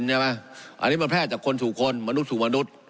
อันนี้มันแพร่จากคนสู่คนมนุษย์สู่มนุษย์